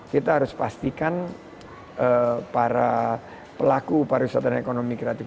kita harus pastikan para pelaku pariwisata dan ekonomi kreatif